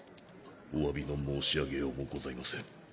お詫びの申し上げようもございません。